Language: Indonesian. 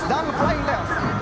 dan flying test